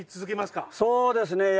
そうですね。